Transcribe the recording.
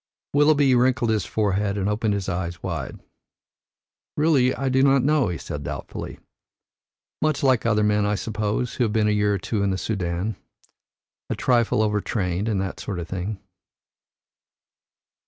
Willoughby wrinkled his forehead and opened his eyes wide. "Really, I do not know," he said doubtfully. "Much like other men, I suppose, who have been a year or two in the Soudan, a trifle overtrained and that sort of thing."